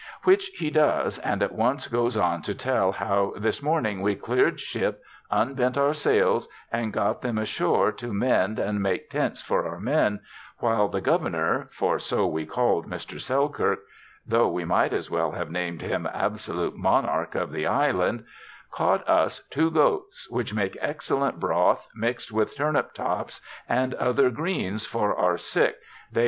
Which he does, and at once goes on to tell how ^^ this morning we clear'd ship, unbent our sails, and got them ashoar to mend and make tents for our men, while the Govenour, for so we call'd Mr. Sel kirk, (tho we might as well have nam'd him absolute Monarch of the island,) caught us two goats, which make excellent broth mixed with turnip tops and other greens for our sick, they British Privateer.